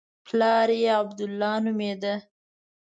پلار یې عبدالله نومېده.